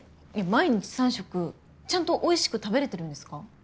毎日３食ちゃんとおいしく食べれてるんですか？